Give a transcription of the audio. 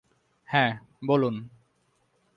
হ্যাঁ, বলুন।